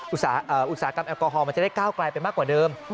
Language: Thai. อุตสาหกรรมแอลกอฮอลมันจะได้ก้าวไกลไปมากกว่าเดิม